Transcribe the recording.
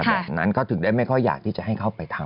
แบบนั้นเขาถึงได้ไม่ค่อยอยากที่จะให้เขาไปทำ